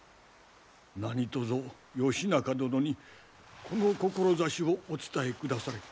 何とぞ義仲殿にこの志をお伝えくだされ。